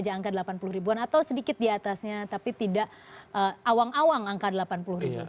angka delapan puluh ribuan atau sedikit diatasnya tapi tidak awang awang angka delapan puluh ribu